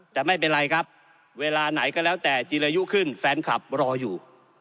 แต่ไม่เป็นไรครับเวลาไหนก็แล้วแต่จีรายุขึ้นแฟนคลับรออยู่